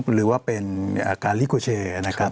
หรือว่าเป็นอาการลิโกเชย์